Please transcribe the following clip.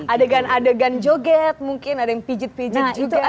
adegan adegan joget mungkin ada yang pijit pijit